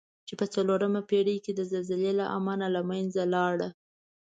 چې په څلورمه پېړۍ کې د زلزلې له امله له منځه لاړه.